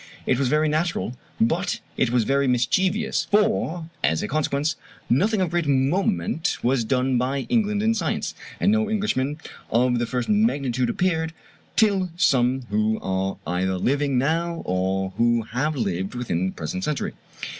It was very natural, but it was very mischievous; for, as a consequence, nothing of great moment was done by England in science, and no Englishman of the first magnitude appeared, till some who are either living now or who have lived within the present century.